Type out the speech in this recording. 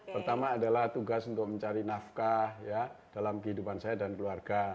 pertama adalah tugas untuk mencari nafkah dalam kehidupan saya dan keluarga